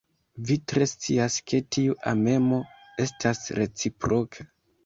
Vi tre scias, ke tiu amemo estas reciproka.